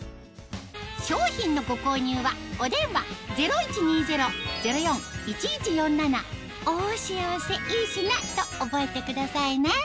商品のご購入はお電話０１２０−０４−１１４７と覚えてくださいね